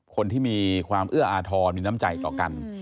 คนที่มีความเอื้ออาทรมีน้ำใจต่อกัน